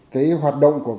cái hoạt động của